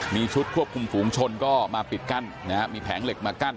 มีชุดควบคุมฝูงชนก็มาปิดกั้นนะฮะมีแผงเหล็กมากั้น